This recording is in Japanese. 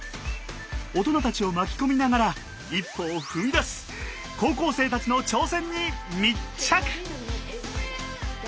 大人たちを巻き込みながら一歩を踏みだす高校生たちの挑戦に密着。